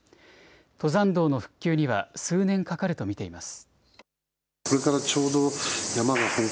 登山道の復旧には数年かかると見ています。